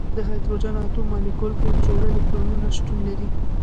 په هایدروجن اتوم مالیکول کې جوړه الکترونونه شتون لري.